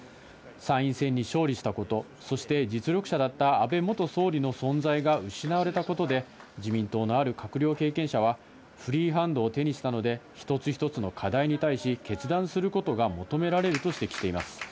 参院選に勝利したこと、そして実力者だった安倍元総理の存在が失われたことで、自民党のある閣僚経験者は、フリーハンドを手にしたので、一つ一つの課題に対し、決断することが求められると指摘しています。